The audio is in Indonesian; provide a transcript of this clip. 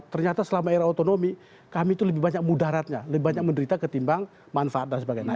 ternyata selama era otonomi kami itu lebih banyak mudaratnya lebih banyak menderita ketimbang manfaat dan sebagainya